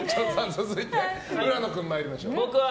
続いて、浦野君参りましょう。